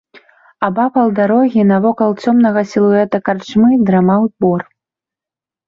Абапал дарогі, навокал цёмнага сілуэта карчмы, драмаў бор.